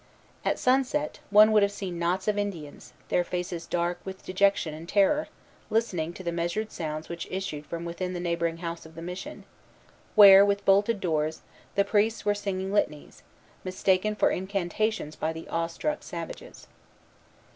At sunset, one would have seen knots of Indians, their faces dark with dejection and terror, listening to the measured sounds which issued from within the neighboring house of the mission, where, with bolted doors, the priests were singing litanies, mistaken for incantations by the awe struck savages.